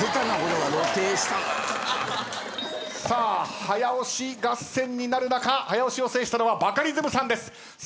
さあ早押し合戦になる中早押しを制したのはバカリズムさんです。